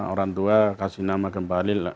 orang tua kasih nama kembali